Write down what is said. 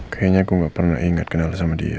kayaknya aku gak pernah ingat kenal sama dia